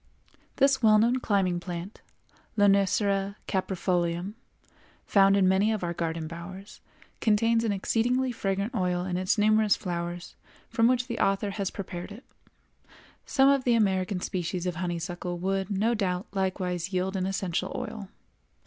This well known climbing plant, Lonicera Caprifolium, found in many of our garden bowers, contains an exceedingly fragrant oil in its numerous flowers, from which the author has prepared it. [Some of the American species of honeysuckle would, no doubt, likewise yield an essential oil.